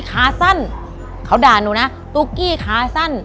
ขาสั้นเขาด่าหนูนะตุ๊กกี้ขาสั้น